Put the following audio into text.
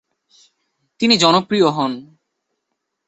তিনি জনপ্রিয় হন।